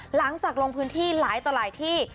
หลังจากลงพื้นที่หลายต่อหลายที่